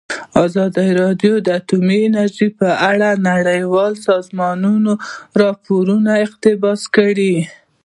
ازادي راډیو د اټومي انرژي په اړه د نړیوالو سازمانونو راپورونه اقتباس کړي.